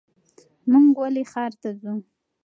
مونږ ولې ښار ته ځو؟